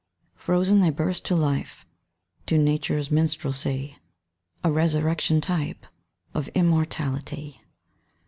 Frozen, they burst to life, To nature's minstrelsy A resurrection type Of immortality.